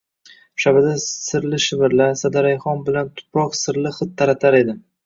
Shabada sirli shivirlar, sadarayhon bilan tuproq sirli hid taratar edi.